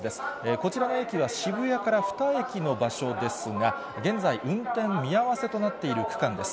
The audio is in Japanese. こちらの駅は渋谷から２駅の場所ですが、現在、運転見合わせとなっている区間です。